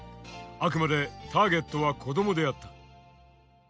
あくまでターゲットは子どもであった。